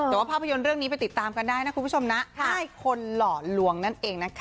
ถ้าไก่ตายกินกัน